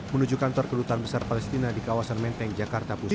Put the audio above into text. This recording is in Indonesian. menuju kantor kedutaan besar palestina di kawasan menteng jakarta pusat